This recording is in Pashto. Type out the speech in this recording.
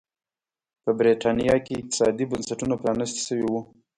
په برېټانیا کې اقتصادي بنسټونه پرانيستي شوي وو.